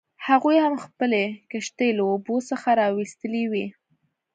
هغوی هم خپلې کښتۍ له اوبو څخه راویستلې وې.